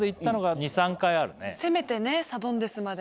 せめてねサドンデスまで。